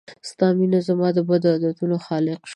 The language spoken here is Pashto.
ستا مينه زما د بدو عادتونو خالق شوه